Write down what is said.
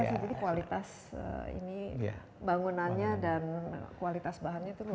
jadi kualitas ini bangunannya dan kualitas bahannya tuh luar biasa